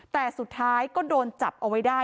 แต่สุดท้ายก็โดนจับเอาไว้ได้